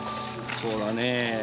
そうだねえ